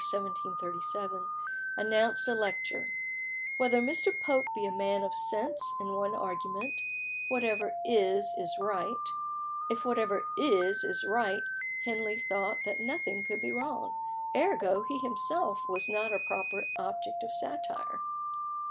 1737) announced a lecture, "Whether Mr. Pope be a man of sense, in one argument 'Whatever is is right.'" If whatever is is right, Henley thought that nothing could be wrong; ergo, he himself was not a proper object of satire.